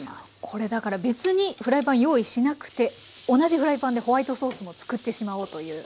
これだから別にフライパン用意しなくて同じフライパンでホワイトソースも作ってしまおうという。